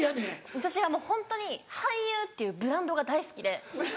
私はもうホントに俳優っていうブランドが大好きで。